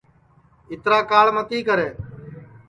اِترا کاݪ متی کرے